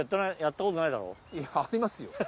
いやありますよ。